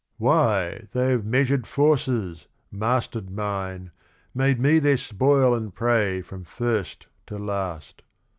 Why, they have measured forces, mastered mine, Made me their spoil and prey from first to last.